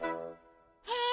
・へえ